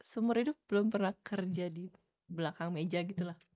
semur hidup belum pernah kerja di belakang meja gitu lah